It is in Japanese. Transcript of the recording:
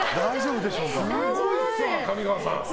すごいっすわ、上川さん。